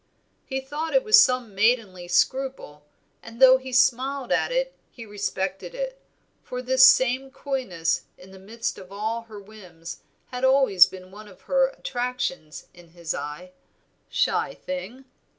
He thought it was some maidenly scruple, and though he smiled at it he respected it, for this same coyness in the midst of all her whims had always been one of her attractions in his eye. "Shy thing!